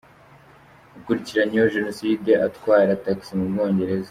Ukurikiranyweho Jenoside atwara tagisi mu Bwongereza